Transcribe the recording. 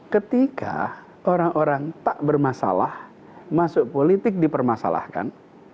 ketika orang orang tak bermasalah masuk politik dipermasalahkan